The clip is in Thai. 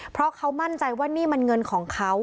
เพราะเขามั่นใจว่านี่มันเงินของเขา